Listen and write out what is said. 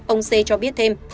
ông c cho biết thêm